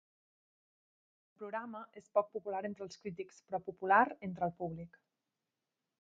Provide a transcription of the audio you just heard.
El programa és poc popular entre els crítics però popular entre el públic.